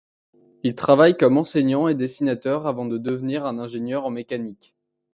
Il travaille comme enseignant et dessinateur avant de devenir un ingénieur en mécanique.